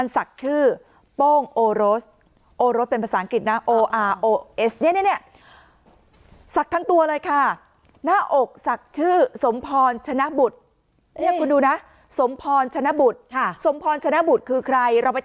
สักชื่อโป้งโอโรสโอโรสเป็นภาษาอังกฤษนะ